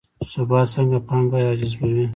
ثبات څنګه پانګه راجذبوي؟